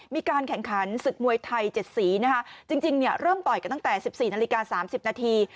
มีการแข่งขันศึกมวยไทย๗สีนะคะจริงเนี่ยเริ่มต่อยกันตั้งแต่๑๔นาฬิกา๓๐นาที